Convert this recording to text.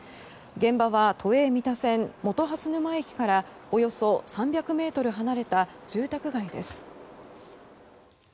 現場は、都営三田線本蓮沼駅からおよそ３００ｍ離れた住宅街です。